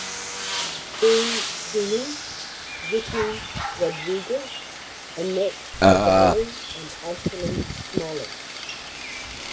B. Twomey, Ricky Rodriguez, Anet Badali and Ashley Smolic.